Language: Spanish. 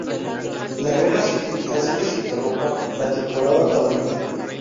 La guerra civil hace que se interrumpa la temporada taurina.